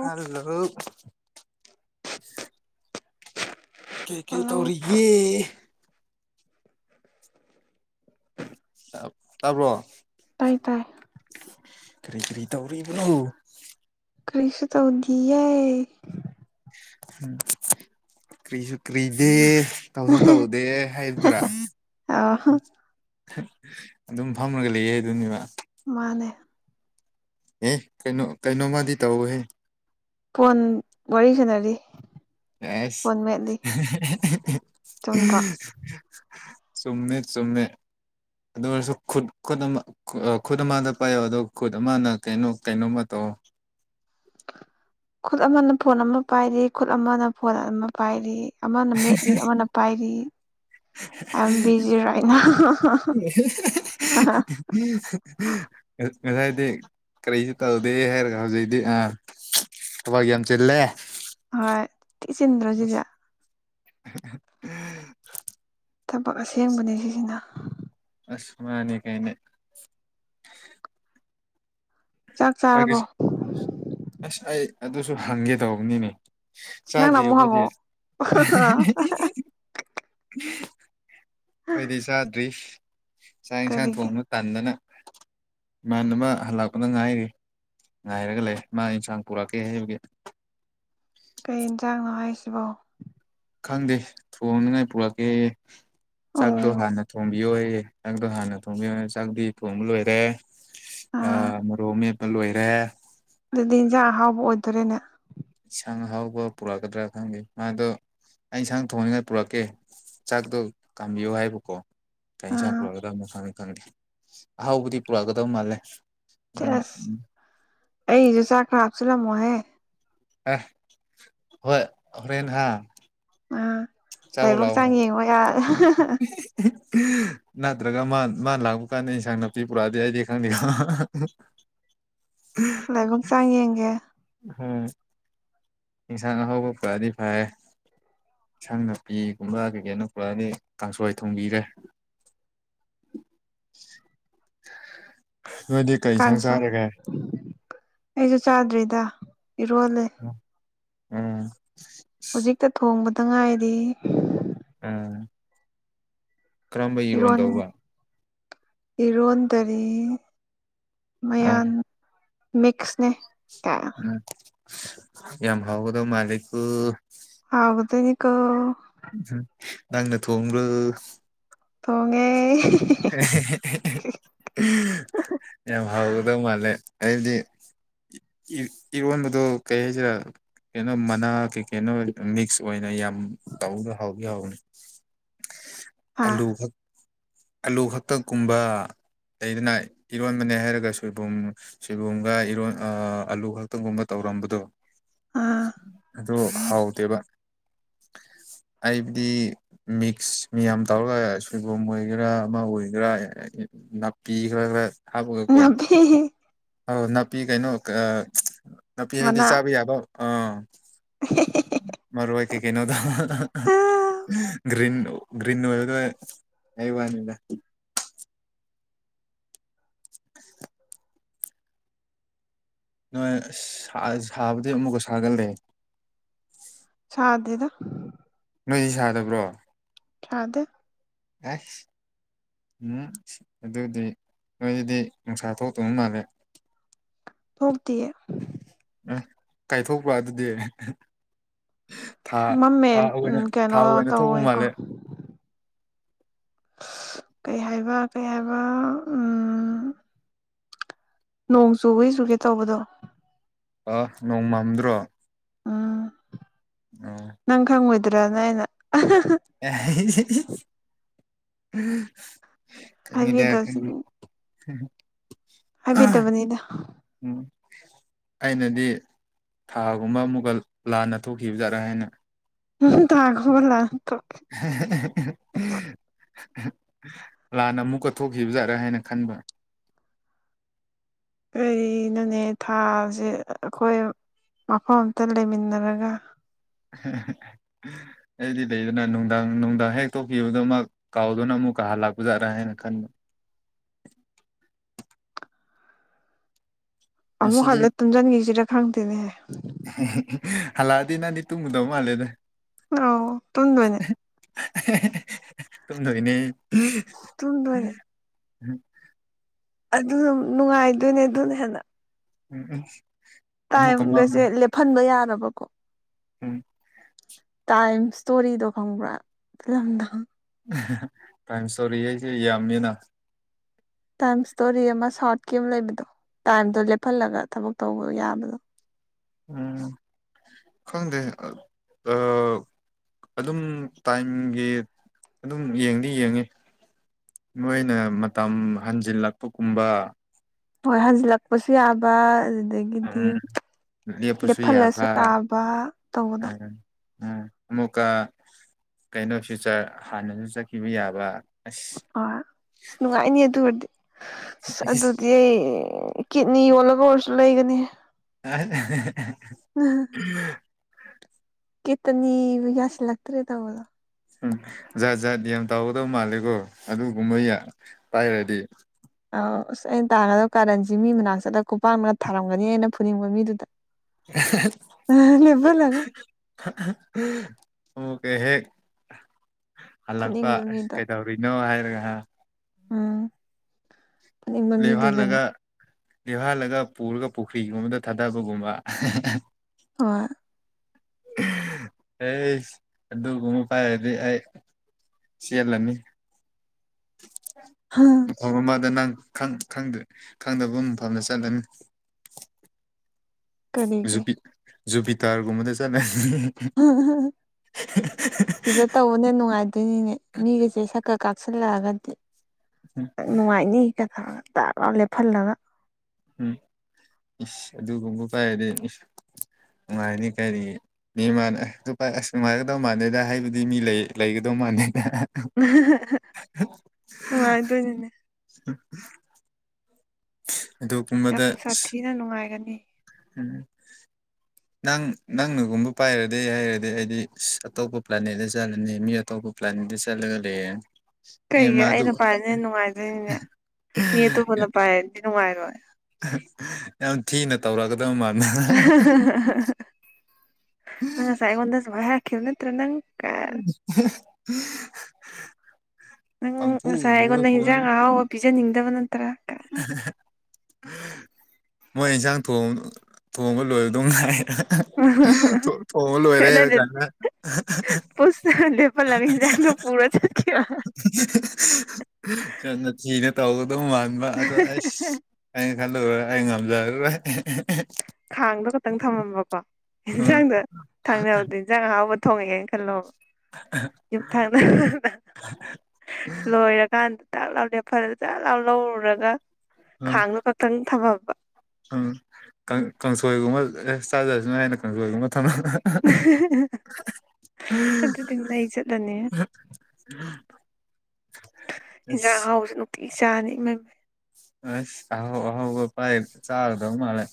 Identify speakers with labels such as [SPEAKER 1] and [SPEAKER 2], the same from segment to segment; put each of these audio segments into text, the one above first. [SPEAKER 1] Hello ꯀꯦ ꯀꯩ
[SPEAKER 2] hello
[SPEAKER 1] ꯇꯧꯔꯤꯒꯦ ꯇꯥꯕ꯭ꯔꯣ
[SPEAKER 2] ꯇꯥꯏ ꯇꯥꯏ
[SPEAKER 1] ꯀꯔꯤ ꯀꯔꯤ ꯇꯧꯔꯤꯕꯅꯣ
[SPEAKER 2] ꯀ꯭ꯔꯤꯁꯨ ꯇꯧꯗꯤꯌꯦ
[SPEAKER 1] ꯀꯔꯤꯁꯨ ꯀꯔꯤꯗꯦ ꯇꯧꯁꯨ ꯇꯧꯗꯦ ꯍꯥꯏꯕꯗꯨꯔꯥ
[SPEAKER 2] ꯑ
[SPEAKER 1] ꯑꯗꯨꯝ ꯐꯝꯃꯒ ꯂꯩꯌꯦ ꯍꯥꯏꯗꯨꯅꯦꯕ
[SPEAKER 2] ꯃꯥꯅꯦ
[SPEAKER 1] ꯑꯦ ꯀꯩꯅꯣ ꯀꯩꯅꯣꯃꯗꯤ ꯇꯧꯋ‌ꯦꯍꯦ
[SPEAKER 2] ꯐꯣꯟ ꯋꯥꯔꯤ ꯁꯥꯟꯅꯔꯤ
[SPEAKER 1] ꯑꯁ
[SPEAKER 2] ꯐꯣꯟ ꯃꯦꯠꯂꯤ ꯆꯨꯝꯗ꯭ꯔꯣ
[SPEAKER 1] ꯆꯨꯝꯃꯦ ꯆꯨꯝꯃꯦ ꯑꯗꯨ ꯑꯣꯏꯔꯁꯨ ꯈꯨꯠ ꯈꯨꯗꯝ ꯈꯨꯠ ꯑ ꯑꯃꯗ ꯄꯥꯏꯌꯣ ꯑꯗꯣ ꯈꯨꯠ ꯑꯃꯅ ꯀꯩꯅꯣ ꯀꯩꯅꯣꯝ ꯇꯧꯋ‌ꯣ
[SPEAKER 2] ꯈꯨꯠ ꯑꯃꯅ ꯐꯣꯟ ꯑꯃ ꯄꯥꯏꯔꯤ ꯈꯨꯠ ꯑꯃꯅ ꯐꯣꯟ ꯑꯃ ꯄꯥꯏꯔꯤ ꯑꯃꯅ ꯃꯦꯠꯂꯤ ꯑꯃꯅ ꯄꯥꯏꯔꯤ ꯑꯥꯏꯝ ꯕꯤꯖꯤ ꯔꯥꯏꯠ ꯅꯥꯎ
[SPEAKER 1] [unintelligible] ꯉꯁꯥꯏꯗꯤ ꯀꯔꯤꯁꯨ ꯇꯧꯗꯦ ꯍꯥꯏꯔꯒ ꯍꯧꯖꯤꯛꯗꯤ ꯑ ꯊꯕꯛ ꯌꯥꯝ ꯆꯤꯜꯂꯦ
[SPEAKER 2] ꯍꯣꯏ ꯊꯤ ꯆꯤꯟꯗ꯭ꯔꯣ ꯁꯤꯗꯤ
[SPEAKER 1] ꯑꯁ [unintelligible]
[SPEAKER 2] ꯊꯕꯛ ꯑꯁꯦꯡꯕꯅꯤ ꯁꯤꯁꯤꯅ
[SPEAKER 1] ꯑꯁ ꯃꯥꯅꯦ ꯀꯩꯅꯦ
[SPEAKER 2] ꯆꯥꯛ ꯆꯥꯔꯕꯣ
[SPEAKER 1] ꯑꯁ ꯑꯩ ꯑꯗꯨꯁꯨ ꯍꯪꯒꯦ ꯇꯧꯕꯅꯤꯅꯦ
[SPEAKER 2] ꯅꯪꯅ
[SPEAKER 1] ꯆꯥꯗ꯭ꯔꯤ
[SPEAKER 2] ꯑꯃꯨꯛ
[SPEAKER 1] ꯑꯈ‌ꯣꯏꯗꯤ
[SPEAKER 2] ꯍꯪꯉꯛꯑꯣ
[SPEAKER 1] [unintelligible] ꯑꯩꯈꯣꯏꯗꯤ ꯆꯥꯗ꯭ꯔꯤ ꯆꯥꯛ ꯏꯟꯁꯥꯡ
[SPEAKER 2] ꯀꯔꯤꯒꯤ
[SPEAKER 1] ꯊꯣꯡꯕ ꯇꯟꯗꯅ ꯏꯃꯥꯟꯅꯕ ꯍꯜꯂꯛꯄꯗ ꯉꯥꯏꯔꯤ ꯉꯥꯏꯔꯒ ꯂꯩ ꯃꯥ ꯏꯟꯁꯥꯡ ꯄꯨꯔꯛꯀꯦ ꯍꯥꯏꯕꯒꯤ [unintelligible]
[SPEAKER 2] ꯀꯩ ꯌꯦꯟꯖꯥꯡꯅꯣ ꯍꯥꯏꯁꯤꯕꯣ
[SPEAKER 1] ꯈꯪꯗꯦ ꯊꯣꯡꯅꯤꯡꯉꯥꯏ ꯄꯨꯔꯛꯀꯦꯌ‌ꯦ
[SPEAKER 2] ꯑꯣ
[SPEAKER 1] ꯆꯥꯛꯗꯣ ꯍꯥꯟꯅ ꯊꯣꯡꯕꯤꯌꯣꯌꯦ ꯆꯥꯛꯗꯣ ꯍꯥꯟꯅ ꯊꯣꯡꯕꯤꯌ‌ꯣ ꯆꯥꯛꯗꯤ ꯊꯣꯡꯕ ꯂꯣꯏꯔꯦ
[SPEAKER 2] ꯑꯥ
[SPEAKER 1] ꯃꯔꯣꯛ ꯃꯦꯠꯄ ꯂꯣꯏꯔꯦ
[SPEAKER 2] ꯑꯗꯨꯗꯤ ꯏꯟꯖꯥꯡ ꯑꯍꯥꯎꯕ ꯑꯣꯏꯗꯣꯔꯦꯅꯦ
[SPEAKER 1] ꯏꯟꯁꯥꯡ ꯑꯍꯥꯎꯕ ꯄꯨꯔꯛꯀꯗ꯭ꯔꯥ ꯈꯪꯗꯦ ꯃꯥꯗꯣ ꯑꯩ ꯏꯟꯁꯥꯡ ꯊꯣꯡꯅꯤꯡꯉꯥꯏ ꯄꯨꯔꯛꯀꯦ ꯆꯥꯛꯇꯣ ꯀꯥꯝꯕꯤꯌꯨ ꯍꯥꯏꯕꯀꯣ ꯀꯩ
[SPEAKER 2] ꯑꯥ
[SPEAKER 1] ꯏꯟꯁꯥꯡ ꯄꯨꯔꯛꯀꯗꯕꯅꯣ ꯈꯪꯗꯤ ꯈꯪꯗꯦ ꯑꯍꯥꯎꯕꯗꯤ ꯄꯨꯔꯛꯀꯗꯕ ꯃꯥꯜꯂꯦ ꯑꯗꯣ
[SPEAKER 2] ꯁ‌ꯦꯁ
[SPEAKER 1] ꯎꯝ
[SPEAKER 2] ꯑꯩꯁꯨ ꯆꯥꯛ ꯈꯔ ꯍꯥꯞꯆꯜꯂꯝꯃꯣꯍꯦ
[SPEAKER 1] ꯑꯦ ꯍ‌ꯣꯏ ꯍ‌ꯣꯔ‌ꯦꯟ ꯍꯥ
[SPEAKER 2] ꯑꯥ
[SPEAKER 1] ꯆꯥꯕ
[SPEAKER 2] ꯂꯥꯏꯕꯛ
[SPEAKER 1] ꯂꯥꯛꯑꯣ
[SPEAKER 2] ꯆꯥꯡ ꯌꯦꯡꯕ ꯌꯥꯔꯦ [unintelligible]
[SPEAKER 1] [unintelligible] ꯅꯠꯇ꯭ꯔꯒ ꯃꯥ ꯃꯥꯅ ꯂꯥꯛꯕ ꯀꯥꯟꯗ ꯏꯟꯁꯥꯡ ꯅꯥꯄꯤ ꯄꯨꯔꯛꯑꯗꯤ ꯑꯩꯗꯤ ꯈꯪꯗꯦꯀꯣ
[SPEAKER 2] ꯂꯥꯏꯕꯛ ꯆꯥꯡ ꯌꯦꯡꯒꯦ
[SPEAKER 1] [unintelligible] ꯏꯟꯁꯥꯡ ꯑꯍꯥꯎꯕ ꯄꯨꯔꯛꯑꯗꯤ ꯐꯔꯦ ꯏꯟꯁꯥꯡ ꯅꯥꯄꯤꯒꯨꯝꯕ ꯀꯩ ꯀꯩꯅ‌ꯣ ꯄꯨꯔꯛꯑꯗꯤ ꯀꯥꯡꯁꯣꯏ ꯊꯣꯡꯕꯤꯔꯦ ꯅꯣꯏꯗꯤ ꯀꯔꯤ ꯏꯟꯁꯥꯡ
[SPEAKER 2] ꯀꯥꯡꯁꯨ
[SPEAKER 1] ꯆꯥꯔꯒꯦ
[SPEAKER 2] ꯑꯩꯁꯨ ꯆꯥꯗ꯭ꯔꯤꯗ ꯏꯔꯣꯜꯂꯦ
[SPEAKER 1] ꯎꯝ
[SPEAKER 2] ꯍꯧꯖꯤꯛꯇ ꯊꯣꯡꯕꯗ ꯉꯥꯏꯔꯤ
[SPEAKER 1] ꯎꯝ ꯀꯔꯝꯕ
[SPEAKER 2] ꯏꯔꯣꯟ
[SPEAKER 1] ꯇꯧꯕ
[SPEAKER 2] ꯏꯔꯣꯟ ꯗꯔꯤ
[SPEAKER 1] ꯑꯣ
[SPEAKER 2] ꯃꯌꯥꯟ ꯃꯤꯛꯁꯅꯦ ꯀꯥꯏ
[SPEAKER 1] ꯎꯝ ꯌꯥꯝ ꯍꯥꯎꯒꯗꯕ ꯃꯥꯜꯂꯤꯀ‌ꯣ
[SPEAKER 2] ꯍꯥꯎꯒꯗꯨꯏꯅꯤꯀ‌ꯣ
[SPEAKER 1] ꯆꯛ ꯅꯪꯅ ꯊꯣꯡꯕꯔꯣ
[SPEAKER 2] ꯊꯣꯡꯉꯦ
[SPEAKER 1] [unintelligible] ꯌꯥꯝ ꯍꯥꯎꯒꯗꯧ ꯃꯥꯜꯂꯦ ꯑꯩꯗꯤ ꯏꯔꯣꯟꯕꯗ ꯀꯩ ꯍꯥꯏꯁꯤꯔꯥ ꯀꯩꯅꯣ ꯃꯅꯥ ꯀꯩ ꯀꯩꯅꯣ ꯃꯤꯛꯁ ꯑꯣꯏꯅ ꯌꯥꯝ ꯇꯧꯕꯗꯣ ꯍꯥꯎꯗꯤ ꯍꯥꯎꯕꯅꯤ
[SPEAKER 2] ꯑ
[SPEAKER 1] ꯑꯂꯨ ꯈꯛ ꯑꯂꯨ ꯈꯛꯇꯛ ꯀꯨꯝꯕ ꯂꯩꯗꯅ ꯏꯔꯣꯟꯕꯅꯦ ꯍꯥꯏꯔꯒ ꯁꯣꯏꯕꯨꯝ ꯁꯣꯏꯕꯨꯝꯒ ꯏꯔꯣꯏ ꯑꯥ ꯑꯂꯨ ꯈꯛꯇꯒꯨꯝꯕ ꯇꯧꯔꯝꯕꯗꯣ
[SPEAKER 2] ꯑꯥ
[SPEAKER 1] ꯑꯗꯨ ꯍꯥꯎꯇꯦꯕ ꯍꯥꯏꯕꯗꯤ ꯃꯤꯛꯁ ꯃꯤꯌꯥꯝ ꯇꯧꯔꯒ ꯁꯣꯏꯕꯨꯝ ꯑꯣꯏꯒꯦꯔꯥ ꯑꯃ ꯑꯣꯏꯒꯤꯔꯥ ꯅꯥꯞꯄꯤ ꯈꯔ ꯈꯔ ꯍꯥꯞꯄꯒꯀꯣ
[SPEAKER 2] [unintelligible]
[SPEAKER 1] ꯑꯧ ꯅꯥꯄꯤ ꯀꯩꯅꯣ ꯅꯥꯄꯤ ꯍꯥꯏꯕꯗꯤ
[SPEAKER 2] ꯃꯅꯥ
[SPEAKER 1] ꯆꯥꯕ ꯌꯥꯕ ꯑꯥ
[SPEAKER 2] [unintelligible]
[SPEAKER 1] ꯃꯔꯣꯏ ꯀꯩ ꯀꯩ ꯅꯣ ꯗꯣ
[SPEAKER 2] ꯑꯥ
[SPEAKER 1] ꯒ꯭ꯔꯤꯟ ꯒꯔꯤꯟ ꯑꯣꯏꯔꯒ ꯍꯥꯏꯋꯥꯅꯤꯗ ꯅꯣꯏ ꯁꯥ ꯁꯥꯕꯨꯗꯤ ꯑꯃꯨꯛꯀ ꯁꯥꯒꯠꯂꯦ
[SPEAKER 2] ꯁꯥꯗꯦꯗ
[SPEAKER 1] ꯅꯣꯏꯗꯤ ꯁꯥꯗꯕ꯭ꯔꯣ
[SPEAKER 2] ꯁꯥꯗꯦ
[SPEAKER 1] ꯑꯦꯁ ꯎꯝ ꯑꯗꯨꯗꯤ ꯅꯣꯏꯗꯤ ꯅꯨꯡꯁꯥ ꯊꯣꯛꯇꯕ ꯃꯥꯜꯂꯦ
[SPEAKER 2] ꯊꯣꯛꯇꯤꯌꯦ
[SPEAKER 1] ꯎꯝ ꯀꯩꯊꯣꯛꯄ꯭ꯔꯥ ꯑꯗꯨꯗꯤ ꯊꯥ
[SPEAKER 2] ꯃꯝꯃꯦ
[SPEAKER 1] ꯊꯥ ꯑꯣꯏꯅ
[SPEAKER 2] ꯎꯝ
[SPEAKER 1] ꯊꯥ
[SPEAKER 2] ꯀꯩꯅꯣ
[SPEAKER 1] ꯑꯣꯏꯅ ꯊꯣꯛꯄ
[SPEAKER 2] ꯇꯧꯋꯦꯀꯣ
[SPEAKER 1] ꯃꯥꯜꯂꯦ
[SPEAKER 2] ꯀꯩ ꯍꯥꯏꯕ ꯀꯩ ꯍꯥꯏꯕ ꯎꯝ ꯅꯣꯡ ꯆꯨꯒꯦ ꯆꯨꯒꯦ ꯇꯧꯕꯗꯣ
[SPEAKER 1] ꯑꯥ ꯅꯣꯡ ꯃꯝꯗ꯭ꯔꯣ
[SPEAKER 2] ꯎꯝ
[SPEAKER 1] ꯑꯣ
[SPEAKER 2] ꯅꯪ ꯈꯪꯉꯣꯏꯗ꯭ꯔꯅ ꯑꯩꯅ
[SPEAKER 1] ꯈꯪꯉꯤꯗ
[SPEAKER 2] ꯍꯥꯏꯕꯤꯗꯕꯁꯤ
[SPEAKER 1] ꯈꯪꯉꯤꯗ [inaudible]
[SPEAKER 2] ꯍꯥꯏꯕꯤꯗꯕꯅꯤꯗ
[SPEAKER 1] ꯎꯝ ꯑꯩꯅꯗꯤ ꯊꯥꯒꯨꯝꯕ ꯑꯃꯨꯛꯀ ꯂꯥꯟꯅ ꯊꯣꯛꯈꯤꯕ ꯖꯥꯔꯥ ꯍꯥꯏꯅ
[SPEAKER 2] ꯎꯝ [unintelligible]
[SPEAKER 1] [unintelligible] ꯂꯥꯟꯅ ꯑꯃꯨꯛꯀ ꯊꯣꯛꯈꯤꯕ ꯖꯥꯠꯔꯥ ꯍꯥꯏꯅ ꯈꯟꯕ
[SPEAKER 2] ꯀꯔꯤꯅꯣꯅꯦ ꯊꯥꯁꯦ ꯑꯩꯈꯣꯏ ꯃꯐꯝ ꯑꯝꯇ ꯂꯩꯃꯤꯟꯅꯔꯒ
[SPEAKER 1] ꯑꯩꯗꯤ ꯂꯩꯗꯅ ꯅꯨꯡꯗꯥꯡ ꯅꯨꯡꯗꯥꯡ ꯍꯦꯛ ꯊꯣꯛꯈꯤꯕꯗꯨꯃꯛ ꯀꯥꯎꯗꯨꯅ ꯑꯥꯃꯨꯛꯀꯥ ꯍꯥꯜꯂꯛꯄꯖꯥꯔꯥꯅ ꯈꯟꯕ
[SPEAKER 2] ꯑꯃꯨꯛ
[SPEAKER 1] ꯉꯁꯤꯗꯤ
[SPEAKER 2] ꯍꯜꯂ ꯇꯨꯝꯁꯤꯟꯈꯤꯁꯤꯔ ꯈꯪꯗꯦꯅꯦꯍꯦ
[SPEAKER 1] ꯍꯜꯂꯛꯑꯗꯤ ꯅꯪꯗꯤ ꯇꯨꯝꯒꯗꯧ ꯃꯥꯜꯂꯦꯗ
[SPEAKER 2] ꯑꯣ ꯇꯨꯝꯗꯣꯏꯅꯦ
[SPEAKER 1] ꯇꯨꯝꯗꯣꯏꯅꯦ
[SPEAKER 2] ꯇꯨꯝꯗꯣꯏꯅꯦ ꯑꯗꯨ ꯅꯨꯡꯉꯥꯏꯗꯣꯏꯅꯦ ꯑꯗꯨꯅ ꯍꯦꯟꯅ
[SPEAKER 1] ꯎꯝ ꯎꯝ
[SPEAKER 2] ꯇꯥꯏꯝꯒꯁꯦ ꯂꯦꯞꯍꯟꯕ ꯌꯥꯔꯕꯀꯣ
[SPEAKER 1] ꯎꯝ
[SPEAKER 2] ꯇꯥꯏꯝ ꯏꯁꯇꯣꯔꯤꯗꯣ ꯐꯪꯕ꯭ꯔꯥ ꯐꯤꯂꯝꯗ
[SPEAKER 1] ꯇꯥꯝꯏ ꯏꯁꯇꯣꯔꯤ ꯍꯥꯏꯁꯦ ꯌꯥꯝꯃꯦꯅ
[SPEAKER 2] ꯇꯥꯏꯝ ꯏꯁꯇꯣꯔꯤ ꯑꯃ ꯁꯥꯎꯠꯀꯤ ꯑꯃ ꯂꯩꯕꯗꯣ ꯇꯥꯏꯝꯗꯣ ꯂꯦꯞꯍꯜꯂꯒ ꯊꯕꯛ ꯇꯧꯕ ꯌꯥꯕꯗꯣ
[SPEAKER 1] ꯎꯝ ꯈꯪꯗꯦ ꯑꯥ ꯑꯗꯨꯝ ꯇꯥꯏꯝꯒꯤ ꯑꯗꯨꯝ ꯌꯦꯡꯗꯤ ꯌꯦꯡꯉꯤ ꯃꯣꯏꯅ ꯃꯇꯝ ꯍꯟꯖꯤꯜꯂꯛꯄꯒꯨꯝꯕ
[SPEAKER 2] ꯍꯣꯏ ꯍꯟꯖꯤꯜꯂꯛꯄꯁꯨ ꯌꯥꯕ ꯑꯗꯨꯗꯒꯤ ꯑꯗꯒꯤꯗꯤ
[SPEAKER 1] ꯎꯝ
[SPEAKER 2] ꯂꯦꯞꯍꯜꯂꯁꯨ ꯌꯥꯕ ꯇꯧꯕꯗꯣ
[SPEAKER 1] ꯎꯝ ꯎꯝ ꯑꯃꯨꯛꯀ ꯀꯩꯅꯣꯁꯨ ꯍꯥꯟꯅꯁꯨ ꯆꯠꯈꯤꯕ ꯌꯥꯕ ꯑꯁ
[SPEAKER 2] ꯍꯣꯏ ꯑꯁ ꯅꯨꯡꯉꯥꯏꯅꯤ ꯑꯗꯨ ꯑꯣꯏꯔꯗꯤ ꯑꯁ ꯑꯗꯨ ꯗꯤ ꯑꯩ ꯀꯤꯠꯅꯤ ꯌꯣꯜꯂꯒ ꯑꯣꯏꯔꯁꯨ ꯂꯩꯒꯅꯤ
[SPEAKER 1] [unintelligible]
[SPEAKER 2] [unintelligible]
[SPEAKER 1] [inaudible]
[SPEAKER 2] ꯀꯦꯠꯇꯅꯤ ꯌꯥꯁꯤ ꯂꯥꯛꯇꯔꯦ ꯇꯧꯕꯗꯣ
[SPEAKER 1] ꯎꯝ ꯖꯥꯠ ꯖꯥꯠ ꯌꯥꯝ ꯇꯥꯎꯒꯗꯕ ꯃꯥꯜꯂꯦꯀꯣ ꯑꯗꯨꯒꯨꯝꯕ ꯌꯥ ꯄꯥꯏꯔꯗꯤ
[SPEAKER 2] ꯑꯥ ꯑꯁ ꯑꯩꯅ ꯇꯥꯒꯗꯕ ꯀꯥꯔꯟꯁꯤ ꯃꯤ ꯃꯅꯥꯛ ꯆꯠꯂꯒ ꯈꯨꯄꯥꯛꯅ ꯊꯥꯔꯝꯒꯅꯤ ꯑꯩꯅ ꯐꯨꯅꯤꯡꯕ ꯃꯤꯗꯨꯗ ꯂꯦꯞꯍꯜꯂꯒ
[SPEAKER 1] [unintelligible] ꯑꯃꯨꯛꯀ ꯍꯦꯛ ꯍꯜꯂꯛꯄ
[SPEAKER 2] ꯐꯨꯅꯤꯡꯕ ꯃꯤꯗꯣ
[SPEAKER 1] ꯀꯩꯗꯧꯔ ꯀꯔꯤꯅꯣ ꯍꯥꯏꯔꯒ
[SPEAKER 2] ꯎꯝ ꯐꯨꯅꯤꯡꯕ
[SPEAKER 1] ꯂꯦꯍꯜꯂꯒ
[SPEAKER 2] ꯃꯤꯗꯨꯗꯅꯦ
[SPEAKER 1] ꯂꯦꯍꯜꯂꯒ ꯄꯨꯔꯒ ꯄꯨꯈ꯭ꯔꯤꯒꯨꯝꯕꯗ ꯊꯥꯗꯕꯒꯨꯝꯕ
[SPEAKER 2] ꯍꯣꯏ
[SPEAKER 1] ꯑꯩꯁ ꯑꯗꯨꯒꯨꯝꯕ ꯄꯥꯏꯔꯗꯤ ꯑꯩ ꯆꯦꯜꯂꯅꯤ [inaudible]
[SPEAKER 2] ꯍꯥꯝ
[SPEAKER 1] ꯃꯐꯝ ꯑꯃꯗ ꯅꯪ ꯈꯪ ꯈꯪꯗꯕ ꯃꯐꯝꯅ ꯆꯠꯂꯅꯤ
[SPEAKER 2] ꯀꯔꯤꯒꯤ
[SPEAKER 1] ꯖꯨꯄꯤ ꯖꯨꯄꯤꯇꯥꯔꯒꯨꯝꯕꯗ ꯆꯠꯂꯅꯤ
[SPEAKER 2] ꯁꯤꯗ ꯇꯧꯕꯅꯦ ꯅꯨꯡꯉꯥꯏꯗꯣꯏꯅꯤꯅꯦ ꯃꯤꯒꯖꯦ ꯁꯛꯀꯥ ꯀꯥꯁꯤꯜꯂꯛꯑꯒꯗꯤ ꯅꯪ ꯅꯨꯡꯉꯥꯏꯅꯤ [unintelligible] ꯇꯛ ꯂꯥꯎ ꯂꯦꯞꯍꯜꯂꯒ
[SPEAKER 1] ꯎꯝ ꯏꯁ ꯑꯗꯨꯒꯨꯝꯕ ꯄꯥꯏꯔꯗꯤ ꯏꯁ ꯅꯨꯡꯉꯥꯏꯅꯤ ꯀꯔꯤ ꯃꯤ ꯃꯥꯥꯅ ꯑꯗꯨ ꯄꯥꯏꯔ ꯑꯁ ꯅꯨꯡꯉꯥꯏꯒꯗꯧ ꯃꯥꯥꯟꯗꯦꯗ ꯍꯥꯏꯕꯗꯤ ꯃꯤ ꯂꯩ ꯂꯩꯒꯗꯧ ꯃꯥꯥꯟꯗꯦꯗ
[SPEAKER 2] [unintelligible] ꯅꯨꯡꯉꯥꯏꯗꯣꯏꯅꯤꯅꯦ
[SPEAKER 1] [unintelligible] ꯑꯗꯨ ꯄꯨꯝꯕꯗ
[SPEAKER 2] ꯊꯤꯅ ꯅꯨꯡꯉꯥꯏꯒꯅꯤ
[SPEAKER 1] ꯎꯝ ꯅꯪ ꯅꯪꯅꯒꯨꯝꯕ ꯄꯥꯏꯔꯗꯤ ꯍꯥꯏꯔꯗꯤ ꯑꯩꯗꯤ ꯑꯁ ꯑꯇꯣꯞꯄ ꯄ꯭ꯂꯥꯅꯦꯠꯅ ꯆꯠꯂꯅꯤ ꯃꯤ ꯑꯇꯣꯞꯄ ꯄ꯭ꯂꯥꯅꯦꯗ ꯆꯂꯒ ꯂꯩꯔꯅꯤ ꯑꯦ
[SPEAKER 2] ꯀꯩꯒꯤ
[SPEAKER 1] ꯃꯥꯗꯨ
[SPEAKER 2] ꯑꯩꯅ ꯄꯥꯏꯔꯤꯗꯤ ꯅꯨꯡꯉꯥꯏꯗꯣꯏꯅꯦ ꯃꯤ ꯑꯇꯣꯞꯄꯕꯅ ꯄꯥꯏꯔꯗꯤ ꯅꯨꯡꯉꯥꯏꯔꯣꯏ
[SPEAKER 1] ꯌꯥꯝ ꯊꯤꯅ ꯇꯧꯔꯛꯒꯗꯕ ꯃꯥꯟꯕ
[SPEAKER 2] [unintelligible] ꯅꯪ ꯉꯁꯥꯏ ꯑꯉꯣꯟꯗ ꯁꯨꯃꯥꯏ ꯍꯥꯏꯔꯛꯈꯤꯕ ꯅꯠꯇ꯭ꯔꯥ ꯅꯪ ꯅꯪ
[SPEAKER 1] ꯄꯪꯐꯨ
[SPEAKER 2] ꯉꯁꯥꯏ
[SPEAKER 1] ꯐꯨꯔꯥ
[SPEAKER 2] ꯑꯩꯉꯣꯟꯗ
[SPEAKER 1] ꯄꯨ
[SPEAKER 2] ꯍꯤꯟꯖꯥꯡ ꯑꯍꯥꯎꯕ ꯄꯤꯖꯅꯤꯡꯗꯕ ꯅꯠꯇ꯭ꯔꯥ
[SPEAKER 1] [inaudible] ꯃꯣꯏ ꯏꯟꯖꯥꯡ ꯊꯣꯡ ꯊꯣꯡꯕ ꯂꯣꯏꯕꯗꯣ ꯉꯥꯏꯔꯒ [unintelligible] ꯊꯥꯡꯕ ꯂꯣꯏꯔꯦ
[SPEAKER 2] ꯍꯦꯠꯂꯗꯤ
[SPEAKER 1] ꯍꯥꯏꯔꯀꯥꯟꯗ
[SPEAKER 2] ꯄꯜꯂꯒ ꯏꯟꯖꯥꯡꯒ ꯄꯨꯔ ꯆꯈꯤꯕ
[SPEAKER 1] [unintelligible] ꯆꯤꯅ ꯇꯧꯒꯗꯧ ꯃꯥꯟꯕ ꯑꯗꯣ ꯑꯁ ꯑꯩꯅ ꯈꯜꯂꯨ ꯑꯩ ꯉꯝꯖꯔꯔꯣꯏ
[SPEAKER 2] ꯈꯥꯡꯗꯣ ꯈꯛꯇꯪ ꯊꯝꯃꯝꯕꯀꯣ
[SPEAKER 1] ꯎꯝ
[SPEAKER 2] ꯑꯦꯟꯁꯥꯡꯗ ꯊꯥꯡꯅꯕꯗꯤ ꯌꯦꯟꯖꯥꯡ ꯑꯍꯥꯎꯕ ꯊꯣꯡꯉꯤꯅꯦ ꯈꯜꯂꯣ
[SPEAKER 1] [unintelligible]
[SPEAKER 2] ꯌꯨꯝ ꯊꯪꯅꯕꯗ ꯂꯣꯏꯔꯀꯥꯟꯗ ꯗꯛ ꯂꯥꯎ ꯂꯦꯞꯐꯜꯂ ꯗꯛ ꯂꯥꯎ ꯂꯧꯔꯨꯔꯒ
[SPEAKER 1] ꯎꯝ
[SPEAKER 2] ꯈꯥꯡꯗꯣ ꯈꯛꯇꯪ ꯊꯝꯃꯝꯕ
[SPEAKER 1] ꯎꯝ ꯀꯥꯡ ꯀꯥꯡꯁꯣꯏꯒꯨꯝꯕ ꯑꯦ ꯆꯥꯖꯔꯁꯨꯅ ꯍꯥꯏꯅ ꯀꯥꯡꯁꯣꯏꯒꯨꯝꯕ ꯊꯝ [unintelligible]
[SPEAKER 2] ꯑꯗꯨꯗꯤ ꯅꯩ ꯆꯠꯂꯅꯤ
[SPEAKER 1] [unintelligible]
[SPEAKER 2] ꯑꯦꯟꯖꯥꯡ ꯑꯍꯥꯎꯕꯁꯨ ꯅꯨꯡꯇꯤ ꯆꯥꯔꯤ ꯏꯃꯩꯄꯦꯝꯃ
[SPEAKER 1] ꯑꯁ ꯑꯍꯥꯎ ꯑꯍꯥꯎ ꯕ ꯄꯥꯏ ꯆꯥꯒꯗꯧ ꯃꯥꯟꯂꯦ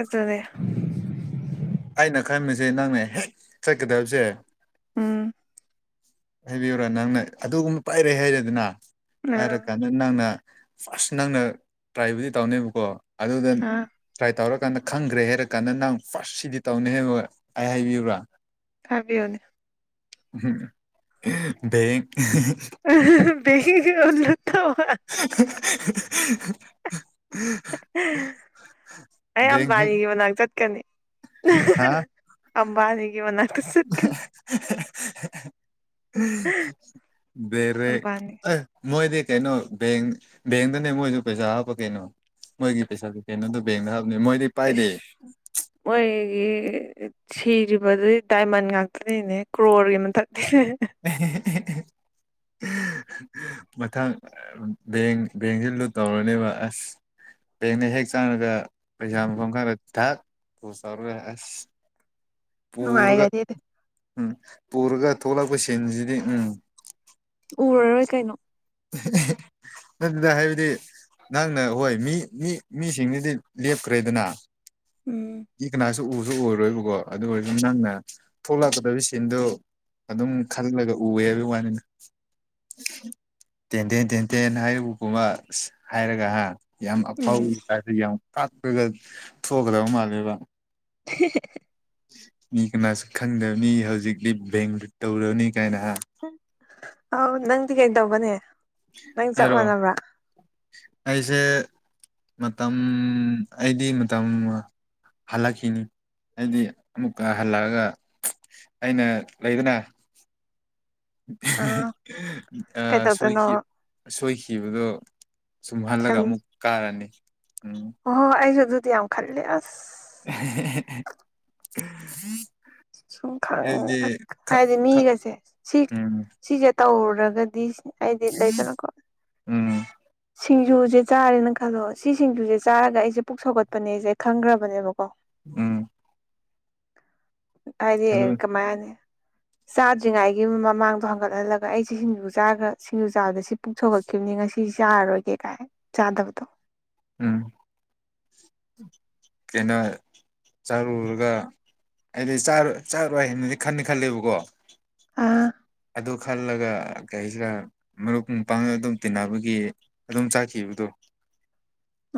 [SPEAKER 2] ꯑꯗꯨꯗꯤ
[SPEAKER 1] ꯑꯩꯅ ꯈꯟꯕꯁꯦ ꯅꯪꯅ ꯍꯦꯛ ꯆꯠꯀꯗꯕꯁꯦ
[SPEAKER 2] ꯎꯝ
[SPEAKER 1] ꯍꯥꯏꯕꯤꯌꯨꯔꯥ ꯅꯪꯅ ꯑꯗꯨꯒꯨꯝꯕ ꯄꯥꯏꯔꯦ ꯍꯥꯏꯔꯦꯗꯅ
[SPEAKER 2] ꯑꯥ
[SPEAKER 1] ꯄꯥꯏꯔꯛ ꯀꯟꯗ ꯅꯪꯅ ꯐꯥꯔꯁ ꯅꯪꯅ ꯇ꯭ꯔꯥꯏꯕꯨꯗꯤ ꯇꯧꯅꯦꯕꯀꯣ ꯑꯗꯨꯗ
[SPEAKER 2] ꯑꯥ
[SPEAKER 1] ꯇ꯭ꯔꯥꯏ ꯇꯧꯔ ꯀꯥꯟꯗ ꯈꯪꯒ꯭ꯔꯦ ꯍꯥꯏꯔ ꯀꯥꯟꯗ ꯅꯪ ꯐꯥꯔꯁ ꯁꯤꯗꯤ ꯇꯧꯅꯤ ꯍꯥꯏꯕ ꯑꯩ ꯍꯥꯏꯕꯤꯌꯨꯔ
[SPEAKER 2] ꯍꯥꯏꯕꯤꯌꯨꯅꯦ
[SPEAKER 1] [unintelligible] ꯗꯦꯡ [unintelligible]
[SPEAKER 2] [unintelligible]
[SPEAKER 1] [unintelligible] ꯕꯦꯡ [unintelligible]
[SPEAKER 2] ꯃꯅꯥꯥꯛ ꯆꯠꯀꯅꯤ
[SPEAKER 1] ꯍꯥ
[SPEAKER 2] ꯑꯝꯕꯥꯅꯤꯒꯤ ꯃꯅꯥ
[SPEAKER 1] [unintelligible] ꯕꯦꯔꯦꯛ
[SPEAKER 2] ꯑꯝꯕꯥꯅꯤ
[SPEAKER 1] ꯑꯦ ꯃꯣꯏꯗꯤ ꯀꯩꯅꯣ ꯕꯦꯡ ꯕꯦꯡꯗꯅꯦ ꯃꯣꯏꯁꯨ ꯄꯩꯁꯥ ꯍꯥꯞꯄ ꯀꯩꯅꯣ ꯃꯣꯏꯒꯤ ꯄꯩꯁꯥꯗꯤ ꯀꯩꯅꯣꯗꯣ ꯕꯦꯡꯗ ꯍꯥꯞꯅꯤ ꯃꯣꯏꯗꯤ ꯄꯥꯏꯗꯦ
[SPEAKER 2] ꯑꯩꯁ ꯃꯣꯏꯒꯤ ꯁꯤꯔꯤꯕꯗꯨꯗꯤ ꯗꯥꯏꯃꯟ ꯉꯥꯛꯇꯅꯤꯅꯦ ꯀ꯭ꯔꯣꯔꯒꯤ ꯃꯊꯛꯇꯤꯅꯤ꯫
[SPEAKER 1] ꯫ ꯃꯊꯪ ꯕꯦꯡ ꯕꯦꯡꯁꯤ ꯂꯨꯠ ꯇꯧꯔꯅꯦꯕ ꯑꯁ꯫ ꯕꯦꯡꯅ ꯍꯦꯛ ꯆꯪꯉꯒ ꯄꯩꯁꯥ ꯃꯐꯝ ꯈꯔ ꯊꯛ ꯇꯧꯔꯒ ꯑꯁ꯫ ꯄꯨꯔꯒ
[SPEAKER 2] ꯅꯨꯡꯉꯥꯏꯒꯅꯤꯗ
[SPEAKER 1] ꯎꯝ ꯄꯨꯔꯒ ꯊꯣꯛꯂꯛꯄ ꯁꯤꯟꯁꯤꯗꯤ ꯎꯝ꯫
[SPEAKER 2] ꯎꯔꯔꯣꯏ ꯀꯩꯅꯣ꯫
[SPEAKER 1] ꯅꯪꯅ ꯍꯥꯏꯕꯗꯤ꯫ ꯅꯪꯅ ꯍꯣꯏ ꯃꯤ ꯃꯤ ꯃꯤꯁꯤꯡꯗꯨꯗꯤ ꯂꯦꯞꯈ꯭ꯔꯦꯗꯅ
[SPEAKER 2] ꯎꯝ
[SPEAKER 1] ꯃꯤ ꯀꯅꯥꯁꯨ ꯎꯁꯨ ꯑꯣꯏꯔꯣꯏꯕꯀꯣ ꯑꯗꯨ ꯑꯣꯏꯔꯁꯨ ꯅꯪꯅ ꯊꯣꯛꯂꯛꯀꯗꯕ ꯁꯤꯟꯗꯨ ꯑꯗꯨꯝ ꯈꯜꯂꯒ ꯎꯋꯦ ꯍꯥꯏꯕꯩ ꯋꯥꯅꯤꯗ ꯇꯦꯟꯗꯦꯟ ꯇꯦꯟꯗꯦꯟ ꯍꯥꯏꯔꯤꯕꯒꯨꯝꯕ ꯑꯁ ꯍꯥꯏꯔꯒ ꯌꯥꯝ
[SPEAKER 2] ꯎꯝ
[SPEAKER 1] ꯑꯐꯧꯒꯤ ꯇꯥꯏꯞꯇ ꯌꯥꯝ ꯀꯥꯞꯔꯒ ꯊꯣꯛꯀꯗꯕ ꯃꯥꯜꯂꯦꯕ
[SPEAKER 2] [unintelligible]
[SPEAKER 1] ꯃꯤ ꯀꯅꯥꯁꯨ ꯈꯪꯗꯕ ꯃꯤ ꯍꯧꯖꯤꯛꯇꯤ ꯕꯦꯡꯗꯨ ꯇꯧꯔꯅꯤ ꯀꯥꯏꯅ ꯍꯥ
[SPEAKER 2] ꯑꯧ ꯅꯪꯗꯤ ꯀꯩꯗꯧꯕꯅꯦ ꯅꯪ ꯆꯞ
[SPEAKER 1] ꯍꯥꯏꯔꯣ
[SPEAKER 2] ꯃꯥꯟꯅꯕ꯭ꯔꯥ
[SPEAKER 1] ꯑꯩꯁꯦ ꯃꯇꯝ ꯑꯩꯗꯤ ꯃꯇꯝ꯫ ꯍꯜꯂꯛꯈꯤꯅꯤ ꯍꯥꯏꯗꯤ ꯑꯃꯨꯛꯀ ꯍꯜꯂꯛꯑꯒ ꯑꯩꯅ ꯂꯩꯗꯅ꯫
[SPEAKER 2] ꯑꯥ
[SPEAKER 1] ꯑꯥ
[SPEAKER 2] ꯀꯩꯗꯧꯗꯣꯏꯅꯣ
[SPEAKER 1] ꯁꫭꯏꯈꯤ ꯁꯣꯏꯈꯤꯕꯗꯣ꯫ ꯁꯨꯝꯍꯜꯂꯒ
[SPEAKER 2] ꯁꯨꯝ
[SPEAKER 1] ꯑꯃꯨꯛ ꯀꯥꯔꯅꯤ ꯎꯝ꯫
[SPEAKER 2] ꯑꯣꯍꯣ ꯑꯩꯁꯨ ꯑꯗꯨꯗꯤ ꯌꯥꯝ ꯈꯜꯂꯤ ꯑꯁ꯫
[SPEAKER 1] ꯫
[SPEAKER 2] ꯁꯨꯡꯈꯪ ꯈꯪ ꯍꯥꯏꯗꯤ
[SPEAKER 1] ꯈꯛ
[SPEAKER 2] ꯃꯤꯒꯁꯦ ꯁꯤ
[SPEAKER 1] ꯎꯝ
[SPEAKER 2] ꯁꯤꯖꯦ ꯇꯧꯔꯨꯔꯒꯗꯤ ꯁꯤ ꯍꯥꯏꯗꯤ ꯂꯩꯗꯅꯀꯣ
[SPEAKER 1] ꯎꯝ
[SPEAKER 2] ꯁꯤꯡꯖꯨꯖꯦ ꯆꯥꯔꯦꯅ ꯈꯜꯂꯣ ꯁꯤ ꯁꯤꯡꯖꯨꯖꯦ ꯆꯥꯔꯒ ꯑꯩꯖꯦ ꯄꯨꯛ ꯁꯥꯎꯒꯠꯄꯅꯦꯖꯦ ꯈꯪꯒ꯭ꯔꯕꯅꯦꯕꯀꯣ
[SPEAKER 1] ꯎꯝ
[SPEAKER 2] ꯍꯥꯏꯗꯤ ꯀꯃꯥꯏ ꯍꯥꯏꯅꯤ
[SPEAKER 1] ꯇꯥꯕ ꯉꯝꯗꯕ
[SPEAKER 2] ꯆꯥꯗ꯭ꯔꯤꯉꯥꯏꯒꯤ ꯃꯃꯥꯡꯗꯣ ꯍꯪꯒꯠꯍꯜꯂꯒ ꯑꯩ ꯁꯤ ꯁꯤꯡꯖꯨ ꯆꯥꯒ꯭ꯔ ꯁꯤꯡꯖꯨ ꯆꯥꯕꯗ ꯁꯤ ꯄꯨꯛ ꯁꯥꯎꯒꯠꯈꯤꯕꯅꯤ ꯉꯁꯤꯁꯤ ꯆꯔꯔꯣꯏꯒꯦ ꯀꯥꯏ ꯆꯥꯗꯕꯗꯣ
[SPEAKER 1] ꯎꯝ ꯀꯩꯅꯣ ꯆꯥꯔꯨꯔꯒ ꯑꯩꯗꯤ ꯆꯥꯔꯣ ꯆꯥꯔꯣꯏ ꯍꯥꯏꯅꯗꯤ ꯈꯟꯗꯤ ꯈꯜꯂꯦꯕꯀꯣ
[SPEAKER 2] ꯑꯥ
[SPEAKER 1] ꯑꯗꯨ ꯈꯜꯂꯒ ꯀꯩꯍꯥꯏꯁꯤꯔꯥ ꯃꯔꯨꯞ ꯃꯄꯥꯡ ꯑꯗꯨꯝ ꯇꯤꯟꯅꯕꯒꯤ ꯑꯗꯨꯝ ꯆꯥꯈꯤꯕꯗꯨ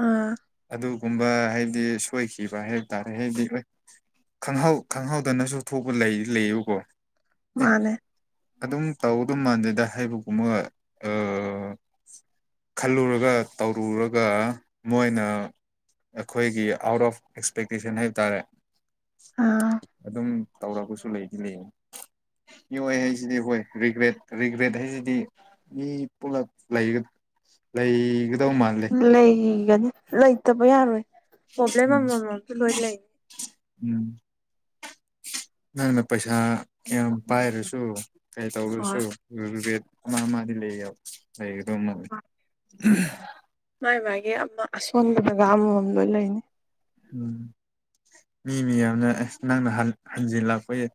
[SPEAKER 2] ꯑꯥ
[SPEAKER 1] ꯑꯗꯨꯒꯨꯝꯕ ꯍꯥꯏꯕꯗꯤ ꯁꯣꯏꯈꯤꯕ ꯍꯥꯏꯕ ꯇꯥꯔꯦ ꯍꯥꯏꯗꯤ ꯍꫭꯏ ꯈꯪꯍꯧ ꯈꯪꯍꯧꯗꯅꯁꯨ ꯊꯣꯛꯄ ꯂꯩꯗꯤ ꯂꯩꯌꯦꯕꯀꯣ ꯑꯦ
[SPEAKER 2] ꯃꯥꯅꯦ
[SPEAKER 1] ꯑꯗꯨꯝ ꯇꯧꯗꯧ ꯃꯥꯟꯗ‌ꯦꯗ ꯍꯥꯏꯕꯒꯨꯝꯕꯒ ꯑꯥ ꯈꯜꯂꯨꯔꯒ ꯇꯧꯔꯨꯔꯒ ꯃꯣꯏꯅ ꯑꯈꯣꯏꯒꯤ ꯑꯥꯎꯠ ꯑꯣꯐ ꯑꯦꯛꯁꯄꯦꯛꯇꯦꯁꯟ ꯍꯥꯏꯕ ꯇꯥꯔꯦ
[SPEAKER 2] ꯑꯥ
[SPEAKER 1] ꯑꯗꯨꯝ ꯇꯧꯔꯛꯄꯁꯨ ꯂꯩꯗꯤ ꯂꯩꯌꯦ ꯃꯤꯑꯣꯏ ꯍꯥꯏꯁꯤꯗꯤ ꯍꯣꯏ ꯔꯤꯒ꯭ꯔꯦꯠ ꯔꯤꯒ꯭ꯔꯦꯠ ꯍꯥꯏꯁꯤꯗꯤ ꯃꯤ ꯄꯨꯂꯞ ꯂꯩꯒ ꯂꯩꯒꯗꯧ ꯃꯥꯜꯂꯦ
[SPEAKER 2] ꯂꯩꯒꯅꯤ ꯂꯩꯇꯕ ꯌꯥꯔꯣꯏ ꯄ꯭ꯔꯣꯕ꯭ꯂꯦꯝ
[SPEAKER 1] ꯎꯝ
[SPEAKER 2] ꯑꯃꯃꯝꯗꯤ ꯂꯣꯏ ꯂꯩ
[SPEAKER 1] ꯎꯝ ꯅꯪꯅ ꯄꯩꯁꯥ ꯌꯥꯝ ꯄꯥꯏꯔꯁꯨ ꯀꯩ ꯇꯧꯔꯁꯨ
[SPEAKER 2] ꯍꯣꯏ
[SPEAKER 1] ꯔꯤꯒ꯭ꯔꯦꯠ ꯑꯃ ꯑꯃꯗꯤ ꯂꯩꯌꯦ ꯂꯩꯒꯗꯧ ꯃꯥꯜꯂꯤ ꯎꯝ
[SPEAKER 2] ꯃꯥꯏ ꯃꯥꯥꯏꯒꯤ ꯑꯃ ꯑꯁꯣꯟꯕ ꯖꯒꯥ ꯑꯃꯃꯝ ꯂꯣꯏ ꯂꯩꯅꯤ
[SPEAKER 1] ꯎꯝ ꯃꯤ ꯃꯤꯌꯥꯝꯅ ꯑꯁ ꯅꯪꯅ ꯍꯟꯖꯤꯜꯂꯥꯛꯄ ꯌꯥ